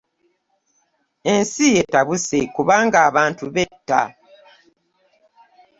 Ensi etabuse kubanga abantu betta